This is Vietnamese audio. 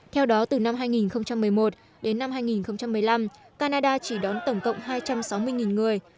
theo đó từ năm hai nghìn một mươi một đến năm hai nghìn một mươi năm canada chỉ đón tổng cộng hai trăm sáu mươi người